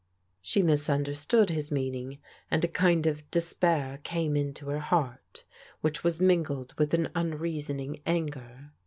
She misunderstood his meaning, and a kind of despair came into her heart which was mingled with an unrea soning anger.